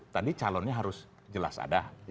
tadi calonnya harus jelas ada